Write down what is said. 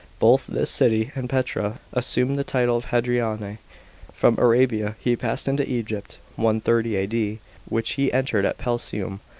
Both this city and Petra assumed the title of Hadriane. §18. From Arabia he passed into Egypt (130 A.D. ), which he entered at Pelusium.